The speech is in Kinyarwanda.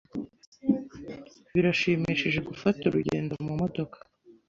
Birashimishije gufata urugendo mumodoka.